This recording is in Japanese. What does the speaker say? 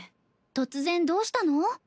突然どうしたの？